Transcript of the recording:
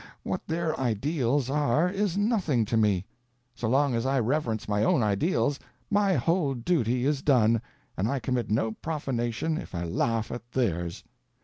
What their ideals are is nothing to me. So long as I reverence my own ideals my whole duty is done, and I commit no profanation if I laugh at theirs.